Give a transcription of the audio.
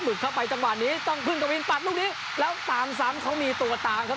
เข้าไปจังหวะนี้ต้องพึ่งกวินปัดลูกนี้แล้วตามซ้ำเขามีตัวตามครับ